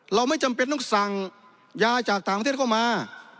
เราไม่จำเป็นต้องสั่งยาจากต่างประเทศเข้ามา